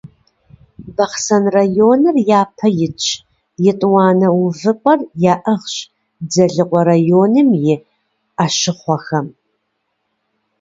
Бахъсэн районыр япэ итщ, етӀуанэ увыпӀэр яӀыгъщ Дзэлыкъуэ районым и Ӏэщыхъуэхэм.